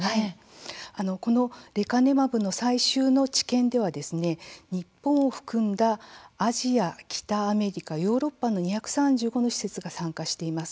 このレカネマブの最終の治験では日本を含んだアジア北アメリカ、ヨーロッパの２３５の施設が参加しています。